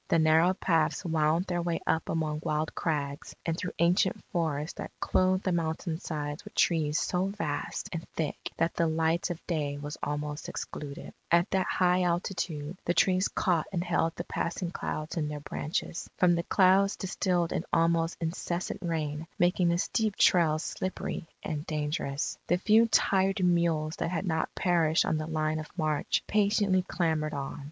The narrow paths wound their way up among wild crags, and through ancient forests that clothed the mountain sides with trees so vast and thick that the light of day was almost excluded. At that high altitude, the trees caught and held the passing clouds in their branches. From the clouds distilled an almost incessant rain, making the steep trails slippery and dangerous. The few tired mules that had not perished on the line of march, patiently clambered on.